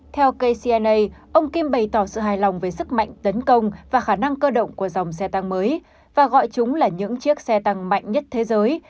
theo kcna ông kim bày tỏ sự hài lòng về sức mạnh tấn công và khả năng cơ động của dòng xe tăng mới và gọi chúng là những chiếc xe tăng mạnh nhất thế giới